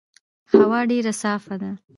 هوا ډېر صافه ده.